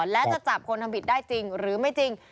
และจะจับคนทำผิดได้จริงหรือไม่จริง